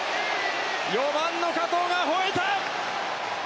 ４番の加藤がほえた！